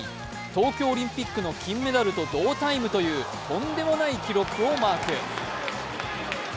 東京オリンピックの金メダルと同タイムというとんでもない記録をマーク。